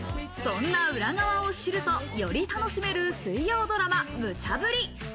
そんな裏側を知るとより楽しめる、水曜ドラマ『ムチャブリ！』。